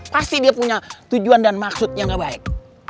pasti dia punya tujuan dan maksud yang gak baik